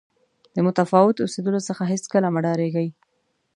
د متفاوت اوسېدلو څخه هېڅکله مه ډارېږئ.